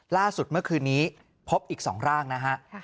ล่าสุดเมื่อคืนนี้พบอีก๒ร่างนะฮะ